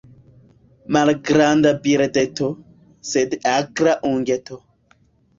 Malgranda birdeto, sed akra ungeto.